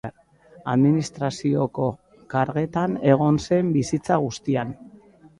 Administrazioko karguetan egon zen bizitza guztian.